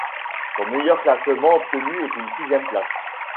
Son meilleur classement obtenu est une sixième place.